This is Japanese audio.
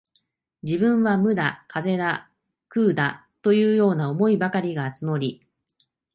自分は無だ、風だ、空だ、というような思いばかりが募り、